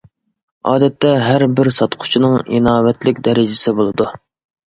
ئادەتتە ھەر بىر ساتقۇچىنىڭ ئىناۋەتلىك دەرىجىسى بولىدۇ.